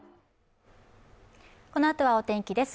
このあとはお天気です。